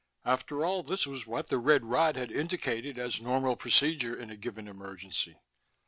After all, this was what the red rod had indicated as normal procedure in a given emergency.